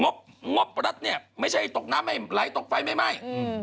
รัฐบาลงบรัฐไม่ใช่ตกน้ำไม่ไหลตกไฟไม่ไหม้